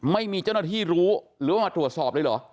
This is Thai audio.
ไม่มีเจ้าหน้าที่รู้หรือว่ามาตรวจสอบเลยเหรอ